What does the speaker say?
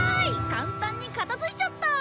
簡単に片付いちゃった！